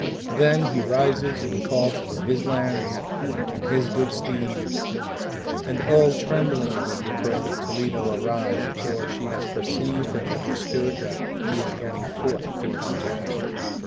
Then he rises and calls for his lance and his good steed, and all trem bling does the Pearl of Toledo arise, for she has perceived and understood that he is going forth to combat.